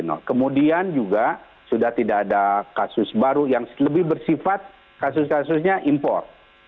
kalau menunjukkan juga sudah tidak ada kasus barang yang lebih bersifat kasusnya impor